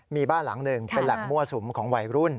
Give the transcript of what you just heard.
มีบ้านหลังหนึ่งเป็นแหล่งมั่วสุมของวัยรุ่น